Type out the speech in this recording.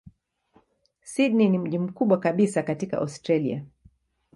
Sydney ni mji mkubwa kabisa katika Australia.